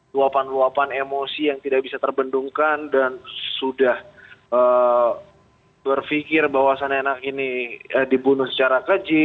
luapan luapan emosi yang tidak bisa terbendungkan dan sudah berpikir bahwa sana ini dibunuh secara keji